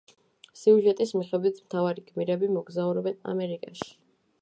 სიუჟეტის მიხედვით, მთავარი გმირები მოგზაურობენ ამერიკაში.